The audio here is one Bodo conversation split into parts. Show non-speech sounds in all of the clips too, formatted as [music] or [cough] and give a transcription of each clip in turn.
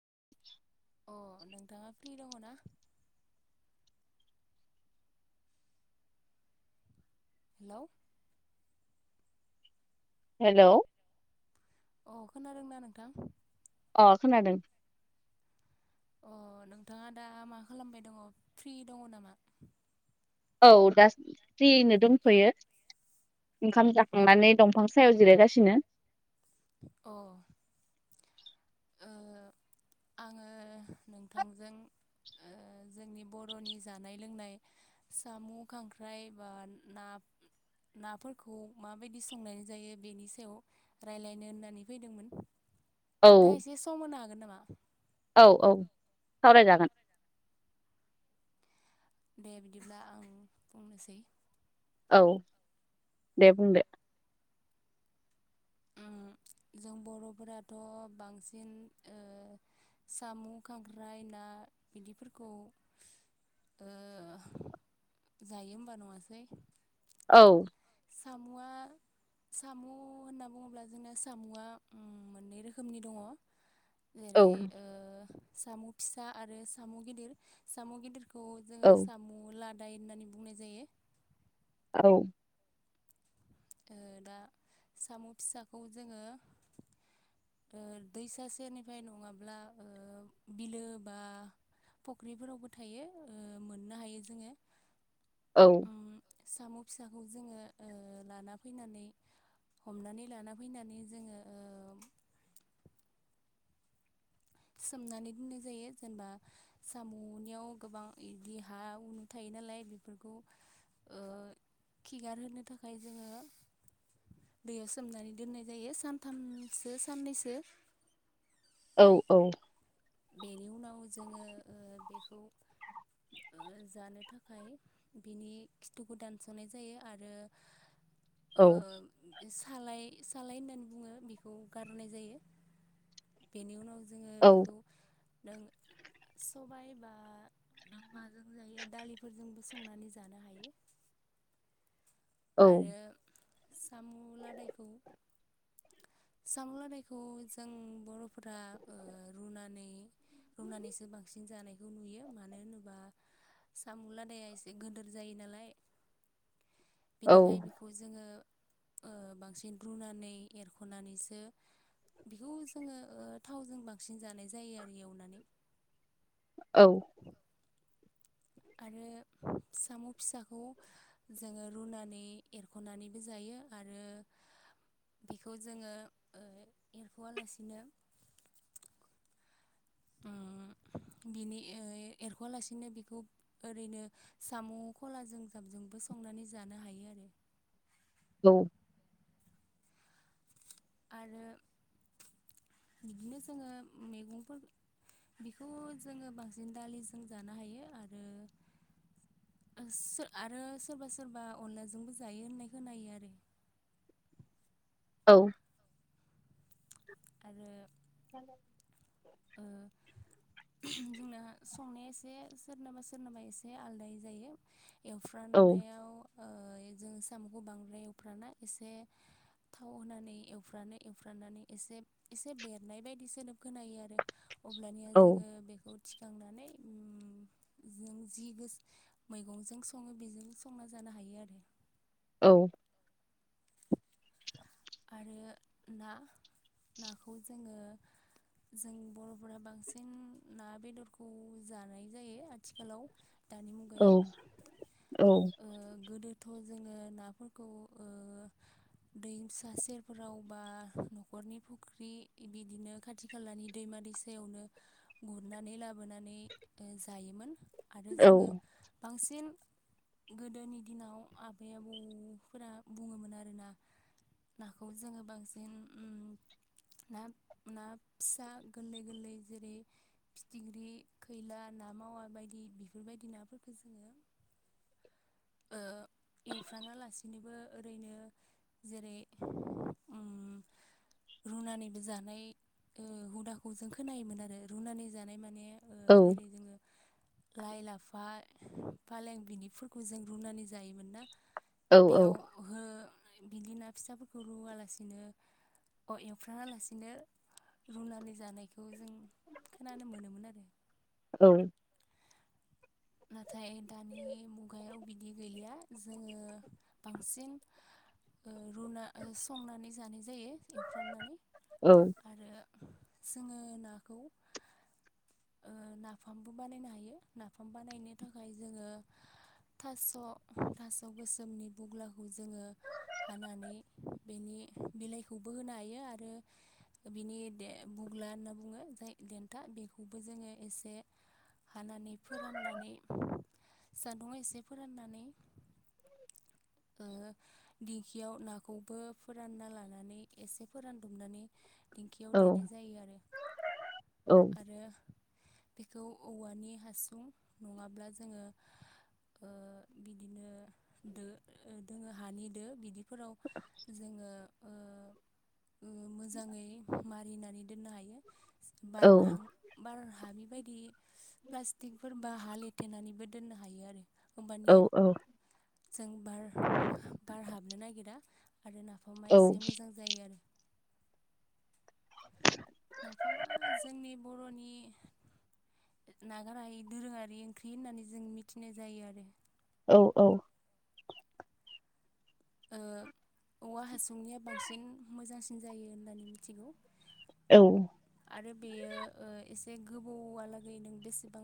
[inaudible] अ नोंथाङा फ्रि दङ ना हेलौ हेलौ अ' खोनादोंना नोंथां अ' खोनादों अ' नोंथाङा दा मा खालामबाय दङ फ्रि दङ नामा औ दा फ्रियैनो दंथ'यो ओंखाम जाखांनानै दंफां सायाव जिरायगासिनो अ ओ आङो नोंथांजों ओ जोंनि बर'नि जानाय लोंनाय साम' खांख्राइ बा ना नाफोरखौ माबायदि संनानै जायो बेनि सायाव राय्लायनो होननानै फैदोंमोन। औ नोंथाङा एसे सम होनो हागोन नामा औ औ सावरायजागोन। दे बिदिब्ला आं बुंनोसै औ दे बुंदो उम जों बर'फोराथ' बांसिन ओ साम' खांख्राइ ना बिदिफोरखौ ओ जायो होमबा नङासै औ सामुवा साम' होनना बुङोब्ला जोंना साम'आ उम मोननै रोखोमनि दङ औ जेरै ओ साम' फिसा आरो साम' गिदिर साम' गिदिर ख खौ औ जोङो साम' लादाय होननानै बुंनाय जायो। औ ओ दा साम' फिसाखौ जोङो ओ दैसा सेरनिफ्राय नङाब्ला ओ बिलो बा फख्रिफोरावबो थायो ओ मोननो हायो जोङो। औ उम साम' फिसाखौ जोङो ओ लाना फैनानै हमनानै लाना फैनानै जोङो ओ सोमनानै दोननाय जायो जेनेबा साम'नियाव गोबां इदि हा उनु थायो नालाय बेफोरखौ ओ खिगार होनो थाखाय जोङो दैयाव सोमनानै दोननाय सानथामसो साननैसो। औ औ बेनि उनाव जोङो ओ बेखौ ओ जानो थाखाय बिनि खिथुखौ दानस'नाय जायो आरो औ ओम सालाय सालाय होननानै बुङो बिखौ गारहनाय जायो। बेनि उनाव जोङो औ बेखौ नों सबाइ बा नों माजों जायो दालिफोरजोंबो सं नानै जानो हायो। औ आरो सामु लादायखौ सामु लादायखौ जों बर'फोरा ओ रुनानै रुनानैसो बांसिन जानायखौ नुयो मानो होनोबा सामु लादाया एसे गोदोर जायो नालाय बिनिखाय बेखौ जोङो ओ बांसिन रुनानै एरख'नानैसो। बेखौ जोङो ओ थावजों बांसिन जानाय जायो आरो एवनानै। औ। आरो साम' फिसाखौ। जोङो रुनानै एरख'नानैबो जायो आरो। बेखौ जोङो एरख'वालासिनो। उम बिनि ओ एरख'वालासिनो बेखौ। ओरैनो साम' खलाजों जाबजोंबो संनानै जानो आरो। औ। आरो बिदिनो जोङो मैगंफोर। बेखौ जोङो बांसिन दालिजों जानो हायो आरो। आरो सोरबा सोरबा अनलाजोंबो जायो होननाय खोनायो आरो। औ। आरो। [inaudible] ओ। जोंना संनाया एसे सोरनाबा सोरनाबा एसे आलदायै जायो। औ एवफ्रानायाव ओ जों साम'खौ बांद्राय एवफ्रामना एसे। थाव होनानै एवफ्रानो एवफ्रानानै एसे। एसे बेरनाय बायदि सोदोब खोनायो आरो अब्लानिया औ जोङो बेखौ। थिखांनानै उम जों जि गोसो। मैगंजों सङो बेजों संना जानो हायो आरो। औ। आरो ना नाखौ जोङो। जों बर'फोरा बांसिन ना बेदरखौ जानाय जायो आथिखालाव। दानि मुगायाव औ ओ गोदो थ' जोङो नाफोरखौ ओ। दैसा सेरफोराव बा न'खरनि फुख्रि बिदिनो खाथि खालानि दैमा दैसायावनो गुरनानै लाबोनानै ओ जायोमोन। आरो औ जोङो बांसिन गोदोनि दिनाव आबै आबौफोरा बुङोमोन आरोना नाखौ जोङो बांसिन उम ना ना फिसा गोरलै गोरलै जेरै फिथिख्रि खैला ना मावा बायदि बेफोरबायदि नाफोरफोरखो जोङो ओ एवफ्रामालासिनोबो ओरैनो जेरै उम रुनानैबो जानाय ओ हुदाखौ जों खोनायोमोन आरो रुनानै जानाय माने ओ जेरै जोङो लाइ लाफा फालें बिनिफोरखौ जों रुनानै जायोमोन ना औ बेयाव हो बिदि ना फिसाफोरखौ रुआलासिनो अ एवफ्रानालासिनो रुनानै जानायखौ जों खोनानो मोनोमोन आरो। औ। नाथाय दानि मु गायाव बिदि गैलिया जोङो बांसिन ओ रुना ओ संनानै जानाय जायो एवफ्रामनानै। ओ। आरो जोङो नाखौ ओ नाफामबो बानायनो हायो नाफाम बानायनो थाखाय जोङो थास' थास' गोसोमनि बुग्लाखौ जोङो हानानै बेनि बिलाइखौबो होनो हायो आरो बिनि दे बुग्ला होनना बुङो जाय देन्था बेखौबो जोङो एसे हानानै फोराननानै सान्दुंआव एसे फोराननानै ओ दिंखियाव नाखौबो फोरानना लानानै एसे फोरानदुबनानै दिंखियाव देनाय जायो आरो आरो बेखौ औवानि हासुं नङाब्ला जोङो ओ बिदिनो दो दोङो हानि दो बिदिफोराव जोङो ओ ओ मोजाङै मारिनानै दोननो हायो बारनो हां बार हाबि बायदि प्लास्टिकफोर बा हा लेथेनानैबो दोननो हायो आरो। होम्बानिया जों बार बार हाबनो नागिरा। आरो नाफामा एसे मोजां जायो आरो। [inaudible] नाफामा जोंनि बर'नि नागारहायि दोरोङारि ओंख्रि होननानै जों मिथिनाय जायो आरो। औ औ। ओ औवा हासुंनिया बांसिन मोजांसिन जायो होननानै मिथिगौ। औ। आरो बेयो ओ एसे गोबौआलागै नों बेसेबां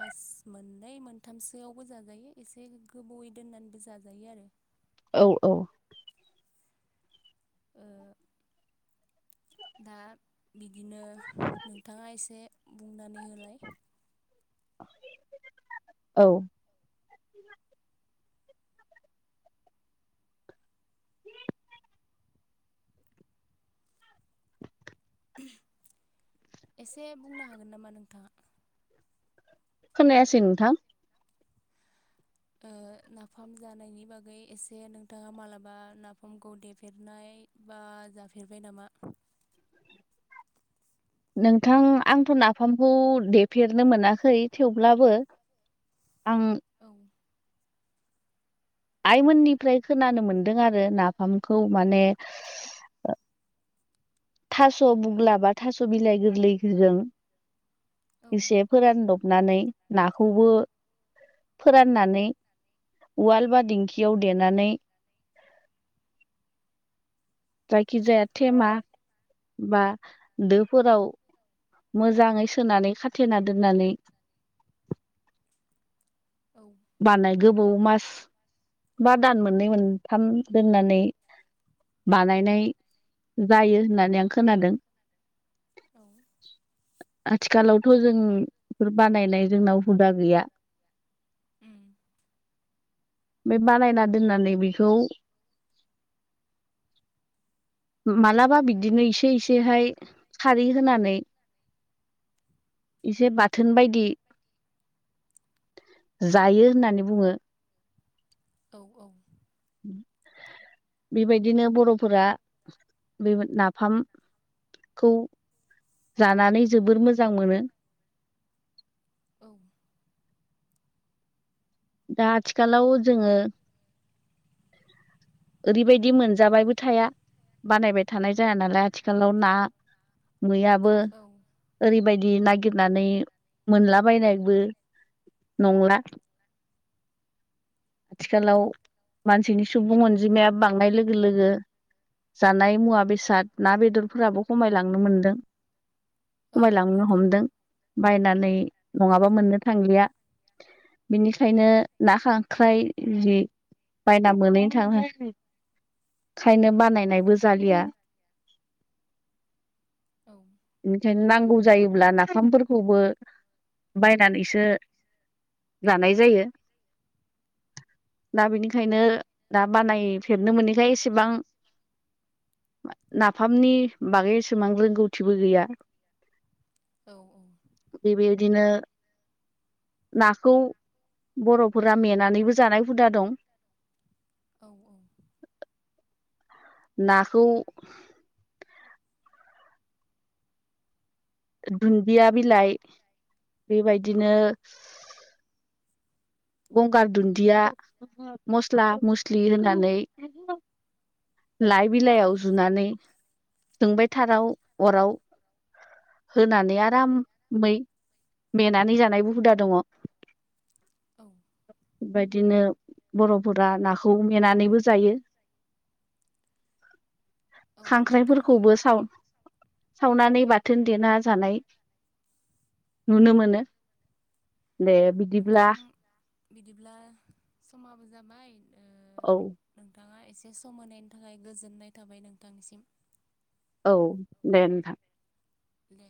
मास मोननै मोन थामसोआवबो जाजायो एसे गोबावै दोननानैबो जाजायो आरो। औ औ। ओ दा बिदिनो नोंथाङा एसे बुंनानै होलाय। औ एसे बुंनो हागोन नामा नोंथाङा? खोनायासै नोंथां ओ नाफाम जानायनि बागै एसे नोंथाङा मालाबा नाफामखौ देफेरनाय बा जाफेरबाय नामा? नोंथां आंथ' नाफामखौ देफेरनो मोनाखै थेवब्लाबो आं औ आइमोननिफ्राय खोनानो मोनदों आरो नाफामखौ माने थास' बुग्ला बा थास' बिलाइ गोरलैफोरजों औ इसेब फोरानदबनानै नाखौबो फोराननानै उवाल बा दिंखियाव देनानै जायखिजाया थेमा बा दोफोराव मोजाङै सोनानै खाथेना दोननानै औ बानाय गोबौ मास बा दान मोननै मोनथाम दोननानै बानायनाय जायो होननानै आं खोनादों। औ आथिखालावथ' जों बेफोर बानायनाय जोंनाव हुदा गैया। उम बे बानायना दोननानै बेखौ मालाबा बिदिनो इसे इसेहाय खारै होनानै इसे बाथोन बायदि जायो होननानै बुङो। औ औ बेबायदिनो बर'फोरा बे मोन नाफाम खौ जानानै जोबोर मोजां मोनो। औ दा आथिखालाव जोङो ओरैबायदि मोनजाबायबो थाया बानायबाय थानाय जाया नालाय आथिखालाव ना मैयाबो औ ओरैबायदि नागिरनानै मोनलाबायनायबो नंला। थिखालाव मानसिनि सुबुं अनजिमाया बांनाय लोगो लोगो जानाय मुवा बेसाद ना बेदरफोराबो खमायलांनो मोनदों। औ खमायलांनो नोंथां हमदों। बायनानै नङाबा मोननो थांलिया बिनिखायनो ना खां ख्राय जि बायना मोनैनो थाङो खायनो बानायनायबो जालिया। औ बिनिखायनो नांगौ जायोब्ला नाफामफोरखौबो बायनानैसो जानाय जायो। दा बेनिखायनो दा बानायफेबनो मोनैखाय एसेबां नाफामनि बागै एसेबांबो रोंगौथिबो गैया। औ औ बे बेदिनो नाखौ बर'फोरा मेन नानैबो जानाय हुदा दं। औ औ। नाखौ दुन्दिया बिलाइ बेबायदिनो गंगार दुन्दिया, मस्ला मस्लि होनानै लाइ बिलाइयाव जुनानै जोंबाय थाराव अराव होनानै आरामै मेनानै जानायबो हुदा दंङ। औ बेबायदिनो बर'फोरा नाखौ मेनानैबो जायो। औ नोंथां खांख्राइफोरखौबो साव-सावनानै बाथोन देना जानाय नुनो मोनो दे बिद नोंथां बिदिब्ला समाबो जाबाय ओ औ नोंथाङा एसे सम होनायनि थाखाय गोजोननाय थाबाय नोंथांनिसिम। औ दे नोंथां। दे।